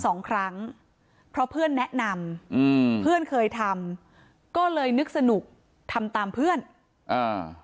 สองครั้งเพราะเพื่อนแนะนำอืมเพื่อนเคยทำก็เลยนึกสนุกทำตามเพื่อนอ่า